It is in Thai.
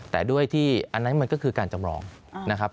แต่ด้วยที่อันนั้นมันก็คือการจำลองนะครับ